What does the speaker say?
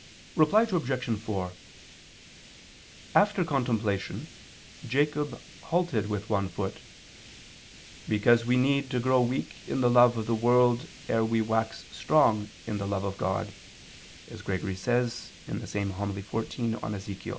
Reply Obj. 4: After contemplation Jacob halted with one foot, "because we need to grow weak in the love of the world ere we wax strong in the love of God," as Gregory says (Hom. xiv in Ezech.).